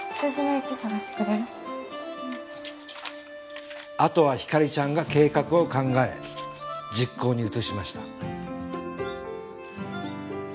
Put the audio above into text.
うんあとはひかりちゃんが計画を考え実行に移しました。